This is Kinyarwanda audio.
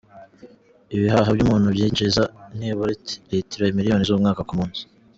Ibihaha by’umuntu byinjiza nibura litiro miliyoni z’umwuka ku munsi.